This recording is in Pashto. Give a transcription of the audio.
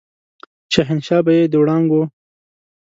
شهنشاه به يې د وړانګو